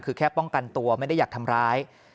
คือแค่ป้องกันตัวไม่ได้อยากทำร้าย